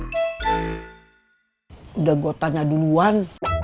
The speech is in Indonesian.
sudah gue tanya duluan